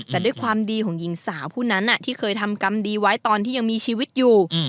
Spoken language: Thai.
แต่ด้วยความดีของหญิงสาวผู้นั้นที่เคยทำกรรมดีไว้ตอนที่ยังมีชีวิตอยู่